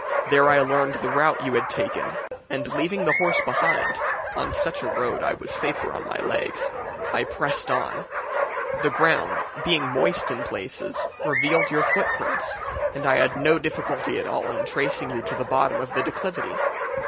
There I learned the route you had taken, and leaving the horse behind on such a road I was safer on my legs I pressed on. The ground, being moist in places, revealed your footprints, and I had no difficulty at all in tracing you to the bottom of the declivity.